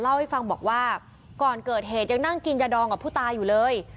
เล่าให้ฟังบอกว่าก่อนเกิดเหตุยังนั่งกินยาดองกับผู้ตายอยู่เลย